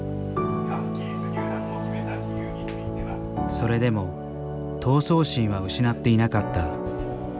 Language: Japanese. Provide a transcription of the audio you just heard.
それでも闘争心は失っていなかった。